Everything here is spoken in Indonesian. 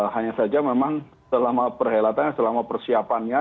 hanya saja memang selama perhelatannya selama persiapannya